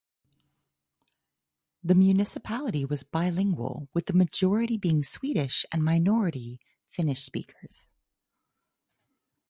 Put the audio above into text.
The municipality was bilingual, with majority being Swedish and minority Finnish speakers.